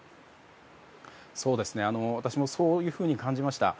私もそういうふうに感じました。